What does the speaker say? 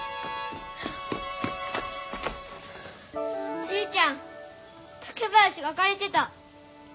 じいちゃん竹林がかれてた！